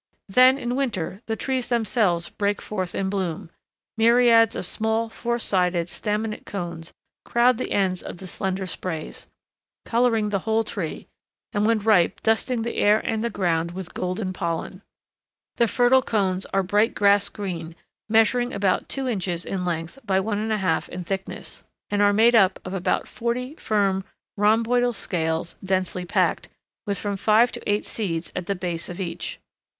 Then in winter the trees themselves break forth in bloom, myriads of small four sided staminate cones crowd the ends of the slender sprays, coloring the whole tree, and when ripe dusting the air and the ground with golden pollen. The fertile cones are bright grass green, measuring about two inches in length by one and a half in thickness, and are made up of about forty firm rhomboidal scales densely packed, with from five to eight seeds at the base of each.